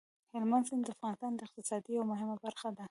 هلمند سیند د افغانستان د اقتصاد یوه مهمه برخه ده.